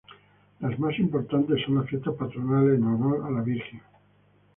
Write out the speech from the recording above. Las más importantes son las fiestas patronales, en honor a las vírgenes Ntra.